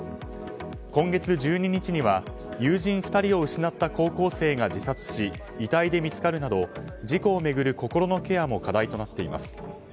今月１２日には友人２人を失った高校生が自殺し遺体で見つかるなど事故を巡る心のケアも課題となっています。